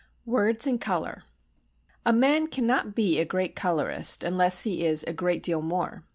Words and Colour A man cannot be a great colourist unless he is a great deal more.